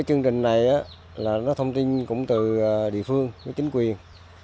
chương trình này là thông tin cũng từ địa phương với chính quyền